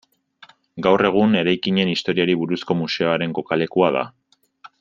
Gaur egun eraikinen historiari buruzko museoaren kokalekua da.